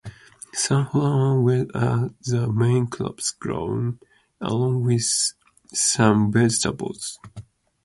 Sunflower, wheat are the main crops grown along with some vegetables.